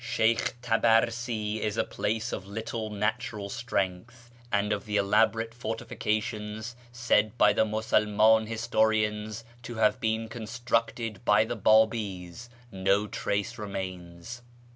Sheykh Tabarsi is a place of little natural strength; and of the elaborate fortifications, said by the Musulman historians to have been constructed by the Babi's, no trace remains.